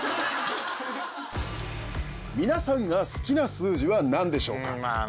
みなさんが好きな数字は何でしょうか？